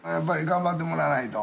頑張ってもらわないと。